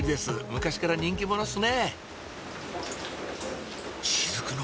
昔から人気者っすね！